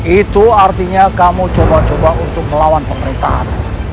itu artinya kamu coba coba untuk melawan pemerintahan